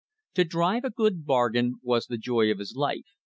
To drive a good bargain was the I joy of his life.